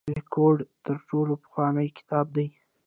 ریګویډا تر ټولو پخوانی کتاب دی.